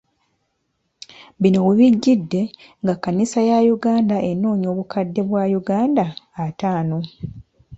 Bino we bijjidde ng’ekkanisa ya Uganda enoonya obukadde bwa Uganda ataano.